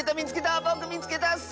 ぼくみつけたッス！